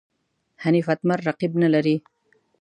حنیف اتمر رقیب نه لري.